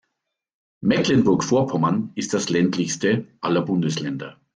Mecklenburg-Vorpommern ist das ländlichste aller Bundesländer.